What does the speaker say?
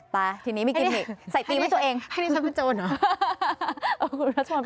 ป่าทีนี้มีกินมิกใส่ตีมให้ตัวเองอันนี้ฉันเป็นโจรเหรอ